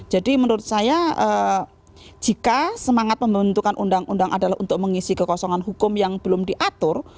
jadi menurut saya jika semangat pembentukan undang undang adalah untuk mengisi kekosongan hukum yang belum diatur